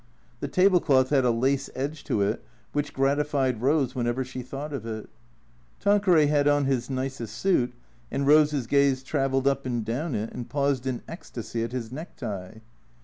The table cloth had a lace edge to it which gratified Eose whenever she thought of it. Tanqueray had on his nicest suit, and Eose's gaze travelled up and down it, and paused in ecstasy at his necktie.